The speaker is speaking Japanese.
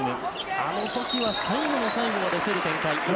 あの時は最後の最後まで競る展開。